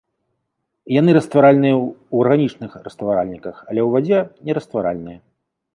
Яны растваральныя ў арганічных растваральніках, але ў вадзе нерастваральныя.